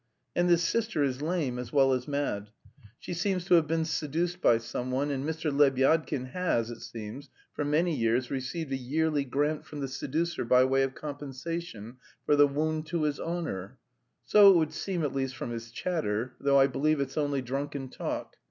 And this sister is lame as well as mad. She seems to have been seduced by someone, and Mr. Lebyadkin has, it seems, for many years received a yearly grant from the seducer by way of compensation for the wound to his honour, so it would seem at least from his chatter, though I believe it's only drunken talk.